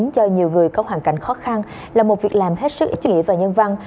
cho nhiều người có hoàn cảnh khó khăn là một việc làm hết sức ít chứng nghĩa và nhân văn